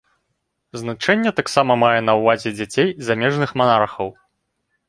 Значэнне таксама мае на ўвазе дзяцей замежных манархаў.